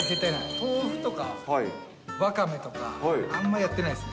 豆腐とかわかめとか、あんまやってないですね。